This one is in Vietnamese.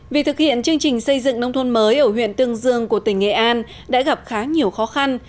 việc thực hiện chương trình xây dựng nông thôn mới ở huyện tương dương của tỉnh nghệ an đã gặp khá nhiều khó khăn